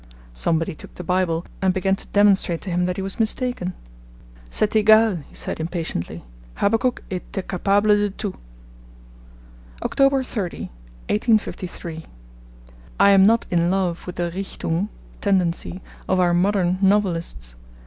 Somebody took the Bible and began to demonstrate to him that he was mistaken. 'C'est egal,' he said, impatiently, 'Habakkuk etait capable de tout!' Oct. 30, 1853. I am not in love with the Richtung (tendency) of our modern novelists.